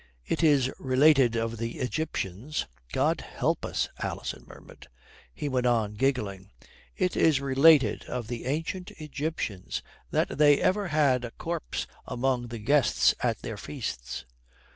"It is related of the Egyptians " "God help us," Alison murmured. He went on, giggling. "It is related of the Ancient Egyptians that they ever had a corpse among the guests at their feasts."